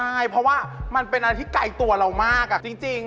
ใช่เพราะว่ามันเป็นอะไรที่ไกลตัวเรามากจริง